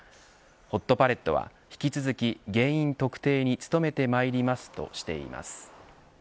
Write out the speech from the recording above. ホットパレットは、引き続き原因特定に努めてまいりますとしています。